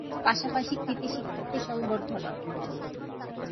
পাশাপাশি কৃতি শিক্ষার্থী সংবর্ধনা।